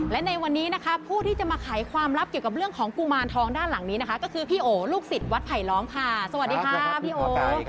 และในวันนี้นะคะผู้ที่จะมาไขความลับเกี่ยวกับเรื่องของกุมารทองด้านหลังนี้นะคะก็คือพี่โอลูกศิษย์วัดไผลล้อมค่ะสวัสดีค่ะพี่โอ